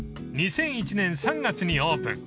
［２００１年３月にオープン］